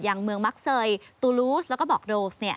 อย่างเมืองมักเซยตูลูสแล้วก็บอกโดส